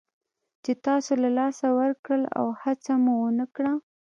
چې تاسو له لاسه ورکړل او هڅه مو ونه کړه.